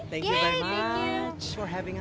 terima kasih banyak banyak